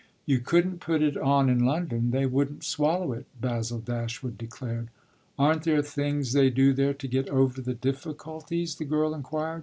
"You couldn't put it on in London they wouldn't swallow it," Basil Dashwood declared. "Aren't there things they do there to get over the difficulties?" the girl inquired.